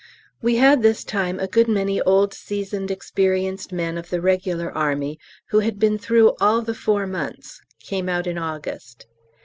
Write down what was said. We had this time a good many old seasoned experienced men of the Regular Army, who had been through all the four months (came out in August).